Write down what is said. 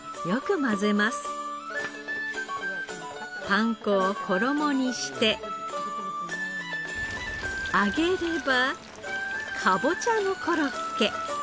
パン粉を衣にして揚げればかぼちゃのコロッケ。